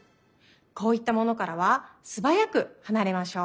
こういったものからはすばやくはなれましょう。